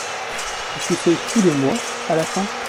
Est-ce qu'il se fout de moi, à la fin!